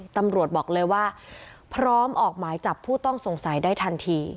ตำรวจบอกเลยว่าพร้อมออกหมายจับผู้ต้องสงสัยได้ทันที